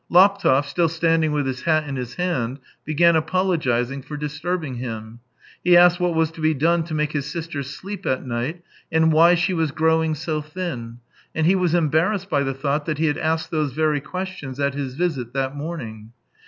Laptev, still standing with his hat in his hand, began apologizing for disturbing, him ; he asked what was to be done to make his sister sleep at night, and why she was growing so thin; and he was em barrassed by the thought that he had asked those very questions at his visit that morning.